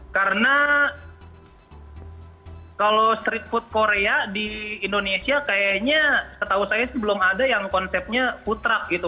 karena kalau street food korea di indonesia kayaknya setahu saya belum ada yang konsepnya food truck gitu